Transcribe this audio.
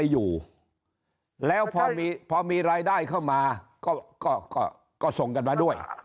ก็เอาราหัสคืนมา